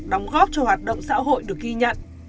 đóng góp cho hoạt động xã hội được ghi nhận